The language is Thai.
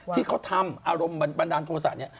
ที่เขาทำอารมณ์บรรดาโนโลศัตริย์นี้